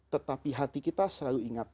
tetapi hati kita selalu ingat